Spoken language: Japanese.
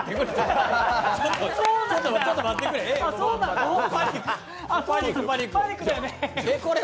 ちょっと待ってくれ。